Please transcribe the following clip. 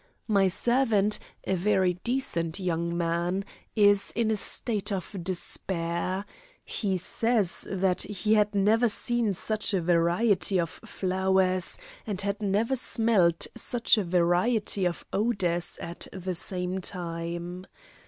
My servant, a very decent young man, is in a state of despair. He says that he had never seen such a variety of flowers and had never smelled such a variety of odours at the same time.